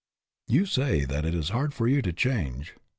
You say that it is hard for you to change.